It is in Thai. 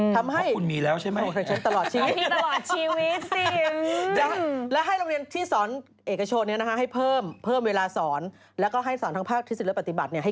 ทำให้โทษให้ฉันตลอดชีวิตขอบคุณมีแล้วใช่ไหม